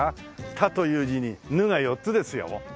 「田」という字に「ヌ」が４つですよ。